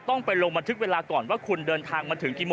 ต้องไปลงบันทึกเวลาก่อนว่าคุณเดินทางมาถึงกี่โมง